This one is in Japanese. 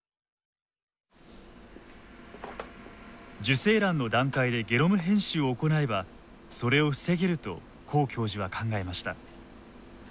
受精卵の段階でゲノム編集を行えばそれを防げると黄教授は考えました。